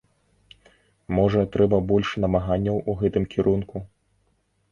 Можа, трэба больш намаганняў у гэтым кірунку?